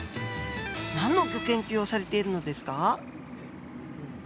何のギョ研究をされているのですか？